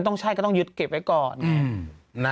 ต้องใช้ก็ยึดเก็บไว้ก่อน